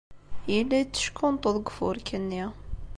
Yella yetteckunṭuḍ deg ufurk-nni.